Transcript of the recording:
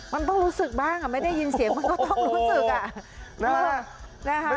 มันต้องรู้สึกบ้างไม่ได้ยินเสียงมันก็ต้องรู้สึกอ่ะนะคะ